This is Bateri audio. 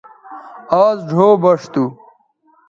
آز ڙھو بݜ تھو